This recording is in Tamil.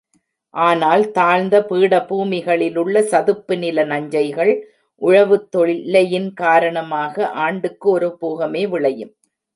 ஆனால் தாழ்ந்த பீடபூமிகளிலுள்ள சதுப்புநில நஞ்சைகள், உழவுத் தொல்லையின் காரணமாக ஆண்டுக்கு ஒரு போகமே விளையும்.